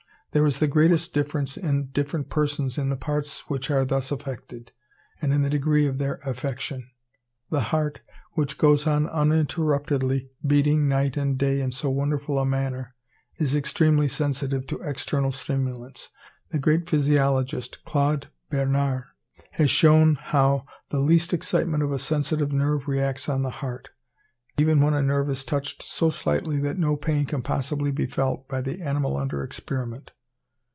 There is the greatest difference in different persons in the parts which are thus affected, and in the degree of their affection. The heart, which goes on uninterruptedly beating night and day in so wonderful a manner, is extremely sensitive to external stimulants. The great physiologist, Claude Bernard, has shown how the least excitement of a sensitive nerve reacts on the heart; even when a nerve is touched so slightly that no pain can possibly be felt by the animal under experiment.